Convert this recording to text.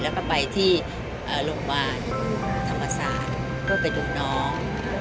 แล้วก็ไปที่โรงพยาบาลธรรมศาสตร์เพื่อไปดูน้อง